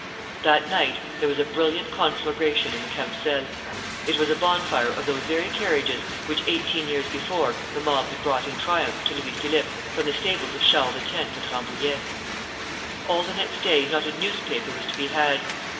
That night there was a brilliant conflagration in the Carrousel. It was a bonfire of those very carriages which eighteen years before the mob had brought in triumph to Louis Philippe from the stables of Charles X. at Rambouillet. All the next day not a newspaper was to be had.